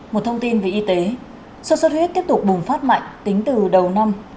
một thông tin về y tế sốt xuất huyết tiếp tục bùng phát mạnh tính từ đầu năm